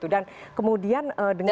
dan kemudian dengan